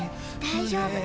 大丈夫。